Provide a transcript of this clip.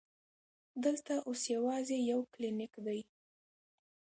دلته اوس یوازې یو کلینک دی.